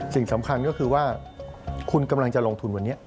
สิ่งสำคัญก็คือว่าคุณกำลังจะลงทุนวันนี้